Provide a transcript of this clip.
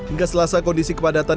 nggak selasa kondisi kepadatan